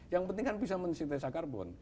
yang penting kan bisa mensitesa karbon